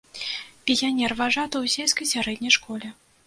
Піянерважаты ў сельскай сярэдняй школе.